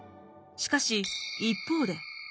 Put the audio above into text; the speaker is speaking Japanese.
しかし一方で。